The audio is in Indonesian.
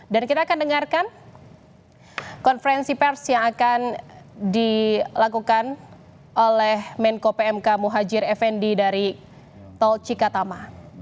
dan kita akan dengarkan konferensi pers yang akan dilakukan oleh menko pmk muhajir effendi dari tol cikatama